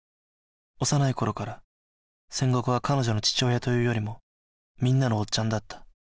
幼い頃から千石は彼女の父親というよりもみんなのおっちゃんだった